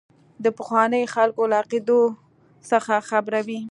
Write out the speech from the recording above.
د پخوانیو خلکو له عقیدو څخه خبروي.